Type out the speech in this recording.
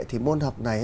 thì môn học này